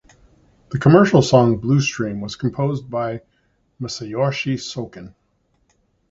The commercial song "Blue Stream" was composed by Masayoshi Soken.